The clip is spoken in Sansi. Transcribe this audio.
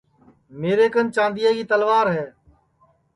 میرے کن چاندیا کی تلوار ہے